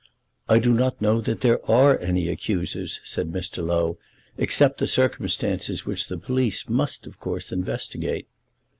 "I do not know that there are any accusers," said Mr. Low, "except the circumstances which the police must, of course, investigate."